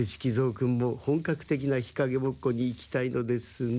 君も本格的な日陰ぼっこに行きたいのですね。